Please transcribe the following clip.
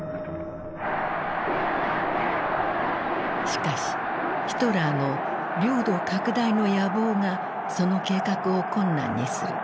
しかしヒトラーの領土拡大の野望がその計画を困難にする。